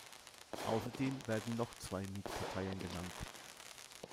Außerdem werden noch zwei Mietparteien genannt.